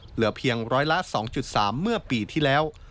เหลือเพียงร้อยละ๒๓เมื่อปีที่แล้ว